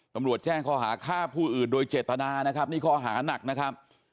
ตำรวจแจ้งข้อหาฆ่าผู้อื่นโดยเจตนานะครับนี่ข้อหานักนะครับ